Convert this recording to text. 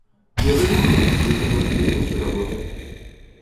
Мне выгоднее, если мужики лучше работают.